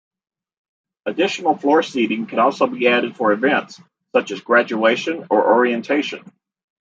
Additional floor seating can also be added for events such as graduation or orientation.